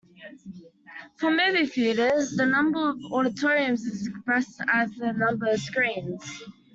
For movie theatres, the number of auditoriums is expressed as the number of screens.